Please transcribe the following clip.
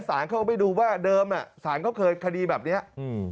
สารเขาก็ไปดูว่าเดิมอ่ะสารเขาเคยคดีแบบเนี้ยอืม